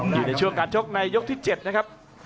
อยู่ในช่วงการชกในยกที่๗นะครับ